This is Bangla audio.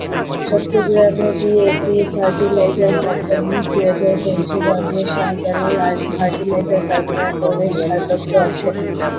চট্টগ্রামে ডিএপি ফার্টিলাইজার কোম্পানি, সিলেটের ফেঞ্চুগঞ্জের শাহজালাল ফার্টিলাইজার কারখানার পরিবেশ ছাড়পত্র আছে।